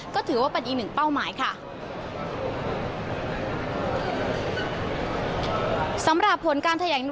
ก็ถือว่าเป็นอีกหนึ่งเป้าหมายค่ะ